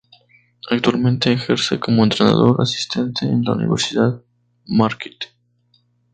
Actualmente ejerce como entrenador asistente en la Universidad Marquette.